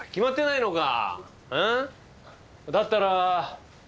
だったら。